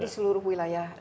di seluruh wilayah